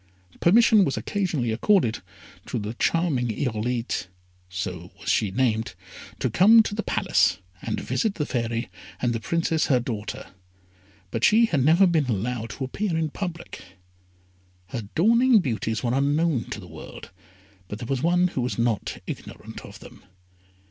Permission was occasionally accorded to the charming Irolite (so was she named), to come to the Palace, to visit the Fairy and the Princess her daughter, but she had never been allowed to appear in public. Her dawning beauties were unknown to the world, but there was one who was not ignorant of them.